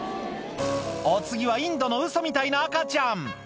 お次はインドのウソみたいな赤ちゃん。